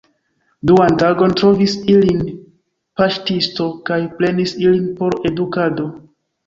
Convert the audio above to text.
Duan tagon trovis ilin paŝtisto kaj prenis ilin por edukado.